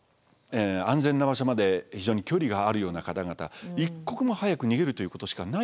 安全な場所まで非常に距離があるような方々一刻も早く逃げるということしかないですよね。